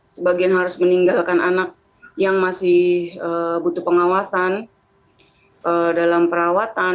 sebagian harus meninggalkan anak yang masih butuh pengawasan dalam perawatan